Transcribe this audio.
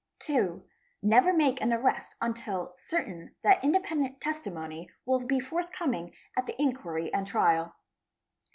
; 2. Never make an arrest unless certain that independent testimony will be forthcoming at the inquiry and trial.